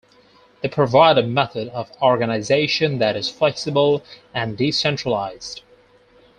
They provide a method of organization that is flexible and decentralized.